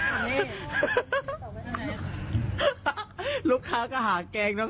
ใช่ค่ะคุณแม่ค่ะลูกค้าไปจอดรถค่ะลูกค้าบอกว่าเดี๋ยวกลับมาค่ะ